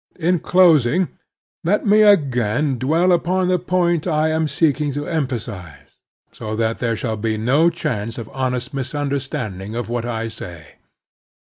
In closing, let me again dwell upon the point I am seeking to emphasize, so that there shall be no chance of honest mistmderstanding of what I say.